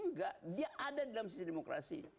enggak dia ada dalam sistem demokrasi